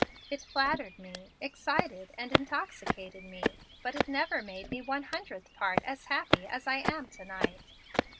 It flattered me, excited and intoxicated me, but it never made me one hundredth part as happy as I am tonight.